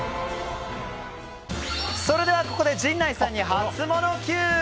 ここで陣内さんにハツモノＱ。